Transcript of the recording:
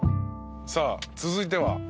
さあ続いては？